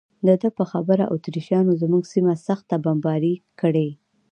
د ده په خبره اتریشیانو زموږ سیمه سخته بمباري کړې.